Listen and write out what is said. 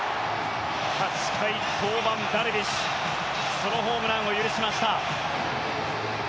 ８回登板、ダルビッシュソロホームランを許しました。